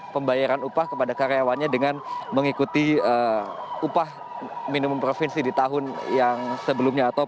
pembayaran upah kepada karyawannya dengan mengikuti upah minimum provinsi di tahun yang sebelumnya